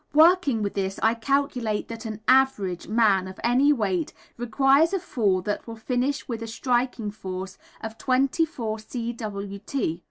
Working with this, I calculate that an "average" man, of any weight, requires a fall that will finish with a striking force of 24 cwt.